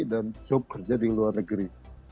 dan job kerja di luar negeri